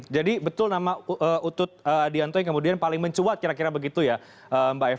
jadi betul nama utut adianto yang kemudian paling mencuat kira kira begitu ya mbak eva